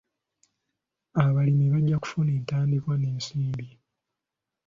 Abalimi bajja kufuna entandikwa n'ensimbi.